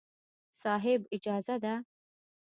صاحب! اجازه ده.